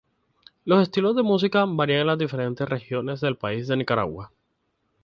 Los estilos de música varían en las diferentes regiones del país de Nicaragua.